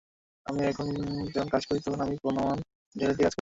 আমি এখন যখন কাজ করি, তখন আমি প্রাণমন ঢেলে দিয়ে কাজ করি।